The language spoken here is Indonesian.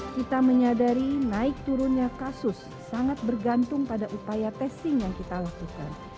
kita menyadari naik turunnya kasus sangat bergantung pada upaya testing yang kita lakukan